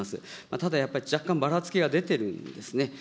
ただやっぱり若干ばらつきが出てるんですね。